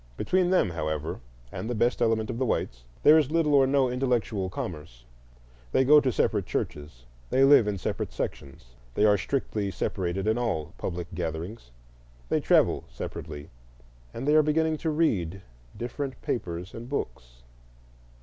Between them, however, and the best element of the whites, there is little or no intellectual commerce. They go to separate churches, they live in separate sections, they are strictly separated in all public gatherings, they travel separately, and they are beginning to read different papers and books.